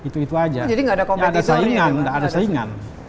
tidak ada saingan